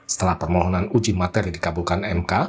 setelah permohonan uji materi dikabulkan mk